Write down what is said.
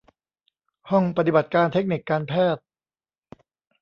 ห้องปฏิบัติการเทคนิคการแพทย์